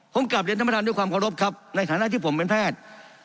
ผมกลับเรียนธรรมธรรมด้วยความรับครับในฐานะที่ผมเป็นแพทย์